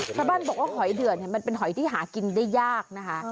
ชาวบ้านบอกว่าหอยเดือดมันเป็นหอยที่หากินได้ยากนะคะ